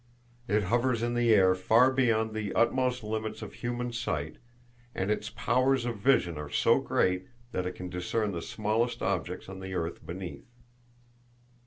It hovers in the air far beyond the utmost limits of human sight, and its powers of vision are so great that it can discern the smallest objects on the earth beneath.